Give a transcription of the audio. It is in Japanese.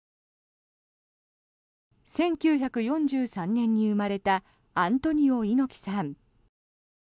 １９４３年に生まれたアントニオ猪木さん。